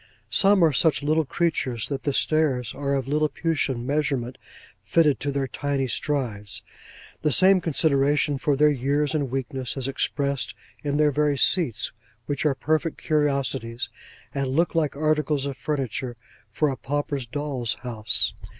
Some are such little creatures, that the stairs are of Lilliputian measurement, fitted to their tiny strides. The same consideration for their years and weakness is expressed in their very seats, which are perfect curiosities, and look like articles of furniture for a pauper doll's house.